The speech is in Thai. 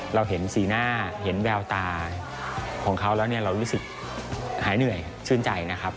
เราเห็นสีหน้าเห็นแววตาของเขาแล้วเนี่ยเรารู้สึกหายเหนื่อยชื่นใจนะครับ